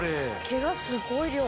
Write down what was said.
毛がすごい量。